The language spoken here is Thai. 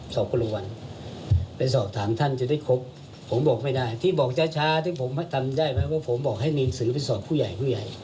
ก็คือไม่ได้อย่างนี้ทั้งสอบท่าน